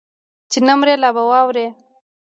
چې نه مرې لا به واورې